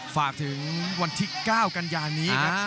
ฝากถึงวันที่๙กันยานี้ครับ